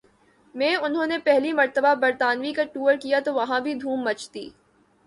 میں انہو نہ پہلی مرتبہ برطانوی کا ٹور کیا تو وہاں بھی دھوم مچ دی